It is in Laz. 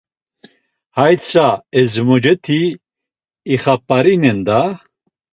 Hay tsa, ezmocesti ixap̆arinen, da.